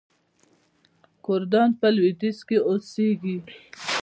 کردان په لویدیځ کې اوسیږي.